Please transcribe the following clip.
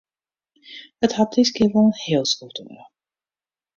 It hat diskear wol in heel skoft duorre.